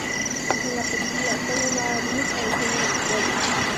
En la película sólo da a luz a Eugenia Victoria.